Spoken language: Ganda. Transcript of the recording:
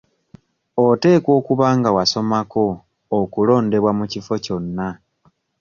Oteekwa okuba nga wasomako okulondebwa mu kifo kyonna.